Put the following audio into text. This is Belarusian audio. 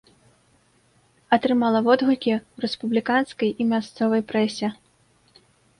Атрымала водгукі ў рэспубліканскай і мясцовай прэсе.